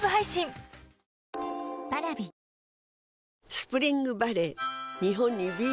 スプリングバレー